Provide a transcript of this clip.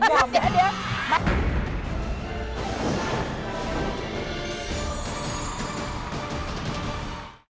เดี๋ยว